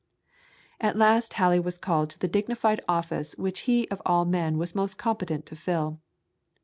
At last Halley was called to the dignified office which he of all men was most competent to fill.